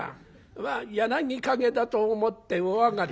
「まあ『柳陰』だと思ってお上がり」。